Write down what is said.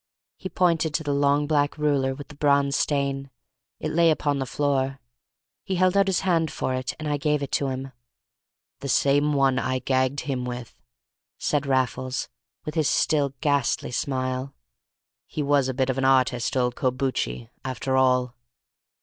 He pointed to the long black ruler with the bronze stain; it lay upon the floor; he held out his hand for it, and I gave it to him. "The same one I gagged him with," said Raffles, with his still ghastly smile; "he was a bit of an artist, old Corbucci, after all!"